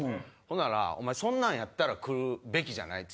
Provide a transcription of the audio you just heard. ほんなら「お前そんなんやったら来るべきじゃない」っつって。